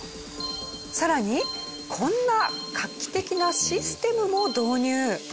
さらにこんな画期的なシステムも導入。